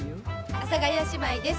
阿佐ヶ谷姉妹です。